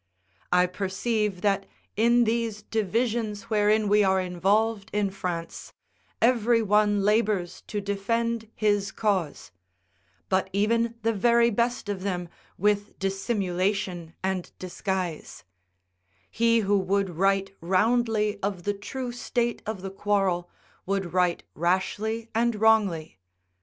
I perceive that in these divisions wherein we are involved in France, every one labours to defend his cause; but even the very best of them with dissimulation and disguise: he who would write roundly of the true state of the quarrel, would write rashly and wrongly.